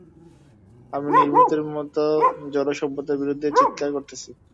আমরা নির্বোধের মত জড় সভ্যতার বিরুদ্ধে চীৎকার করিতেছি।